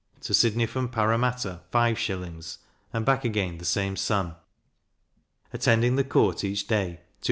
to Sydney from Parramatta 5s., and back again the same sum; attending the court each day 2s.